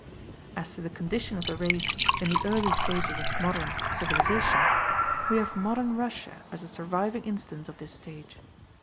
As to the condition of the race in the early stages of "modern" civilization, we have modern Russia as a surviving instance of this stage.